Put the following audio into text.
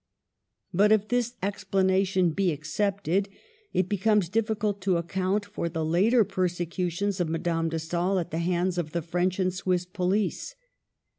But if this explanation be accepted, it becomes difficult to account for the later persecutions of Madame de Stael at the hands of the French and Swiss police.